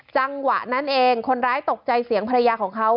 จังหวะนั้นเองคนร้ายตกใจเสียงภรรยาของเขา